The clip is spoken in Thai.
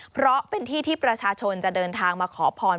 เพราะเป็นที่ที่ประชาชนจะเดินทางมาขอพร